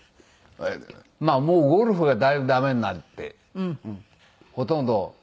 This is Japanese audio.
まあもうゴルフがだいぶ駄目になってほとんどほとんど駄目ですね。